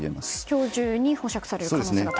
今日中に保釈される可能性があると。